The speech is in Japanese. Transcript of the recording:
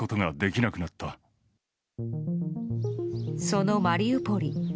そのマリウポリ。